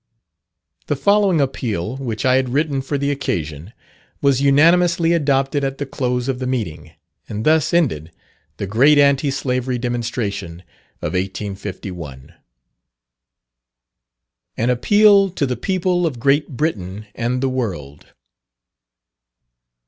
The following appeal, which I had written for the occasion, was unanimously adopted at the close of the meeting, and thus ended the great Anti Slavery demonstration of 1851. AN APPEAL TO THE PEOPLE OF GREAT BRITAIN AND THE WORLD.